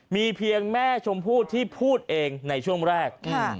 มีเพียงแม่ชมพู่ที่พูดเองในช่วงแรก